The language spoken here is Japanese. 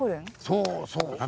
そうそう。